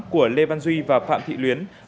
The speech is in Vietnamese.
của lê văn duy và phạm thị luyến